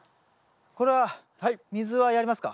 これは水はやりますか？